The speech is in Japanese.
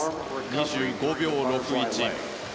２５秒６１。